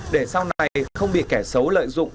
để sau này không bị kẻ xấu lợi dụng